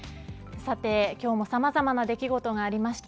さて、今日もさまざまな出来事がありました。